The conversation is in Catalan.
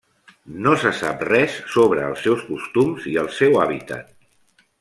No se sap res sobre els seus costums i el seu hàbitat.